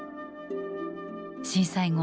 震災後